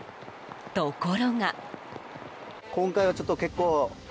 ところが。